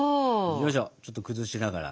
よいしょちょっと崩しながら。